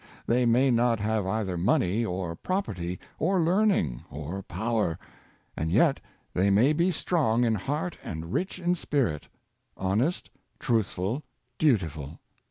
They may not have either money, or property, or learning, or power; and yet they may be strong in heart and rich in spirit — honest, truthful, dutiful.